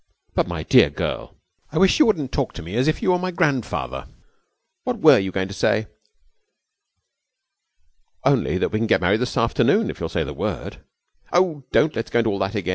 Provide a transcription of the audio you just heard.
'But, my dear girl!' 'I wish you wouldn't talk to me as if you were my grandfather. What were you going to say?' 'Only that we can get married this afternoon if you'll say the word.' 'Oh, don't let us go into all that again!